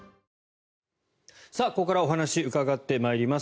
ここからお話伺ってまいります。